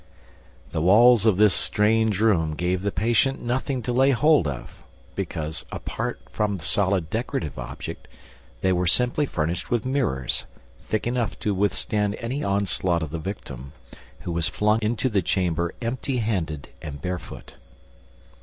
The walls of this strange room gave the patient nothing to lay hold of, because, apart from the solid decorative object, they were simply furnished with mirrors, thick enough to withstand any onslaught of the victim, who was flung into the chamber empty handed and barefoot.